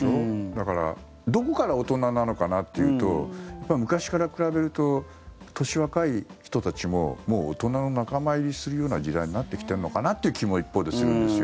だからどこから大人なのかなというと昔から比べると年若い人たちももう大人の仲間入りをするような時代になってきているのかなという気も一方でするんですよ。